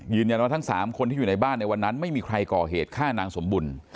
ทั้ง๓คนที่อยู่ในบ้านในวันนั้นไม่มีใครก่อเหตุฆ่านางสมบุญ